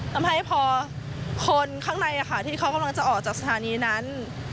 ทำให้พอคนข้างในที่เขากำลังจะออกจากสถานีนั้น